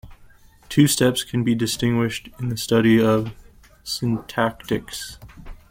Two steps can be distinguished in the study of syntactics.